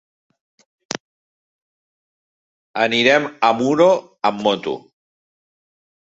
Anirem a Muro amb moto.